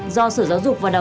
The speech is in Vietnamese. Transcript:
do sở giáo dục và đào tư